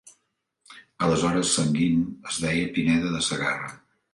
Aleshores Sant Guim es deia Pineda de Segarra.